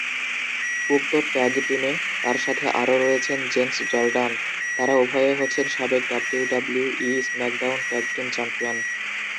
উক্ত ট্যাগ টিমে তার সাথে আরো রয়েছেন জেসন জর্ডান, তারা উভয়ে হচ্ছেন সাবেক WWE SmackDown tag team champion.